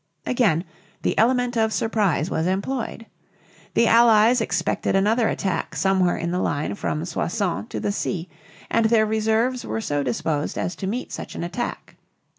Again the element of surprise was employed. The Allies expected another attack somewhere in the line from Soissons to the sea, and their reserves were so disposed as to meet such an attack.